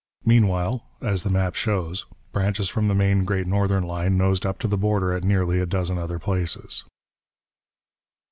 Meanwhile, as the map shows, branches from the main Great Northern line nosed up to the border at nearly a dozen other places.